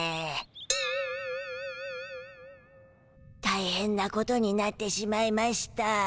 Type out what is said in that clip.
たいへんなことになってしまいましゅた。